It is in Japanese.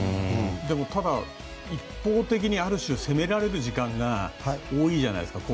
ただ、一方的に攻められる時間が多いじゃないですか。